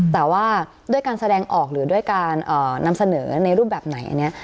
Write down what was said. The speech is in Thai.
แต่ว่าด้วยการแสดงออกหรือด้วยการนำเสนอในรูปแบบไหนอันนี้